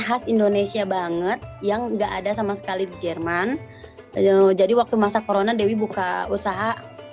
khas indonesia banget yang enggak ada sama sekali di jerman jadi waktu masa corona dewi buka usaha